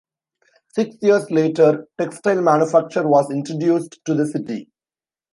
Six years later, textile manufacture was introduced to the city.